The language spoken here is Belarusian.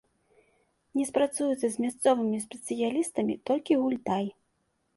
Не спрацуецца з мясцовымі спецыялістамі толькі гультай.